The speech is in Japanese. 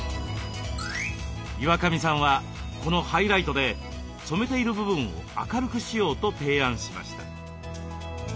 岩上さんはこのハイライトで染めている部分を明るくしようと提案しました。